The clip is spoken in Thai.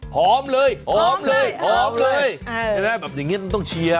หมองเลยหมองเลยหมองเลยแบบนี้มันต้องเชียร์